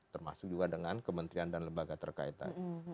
termasuk juga dengan kementerian dan lembaga terkaitan